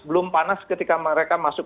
belum panas ketika mereka masuk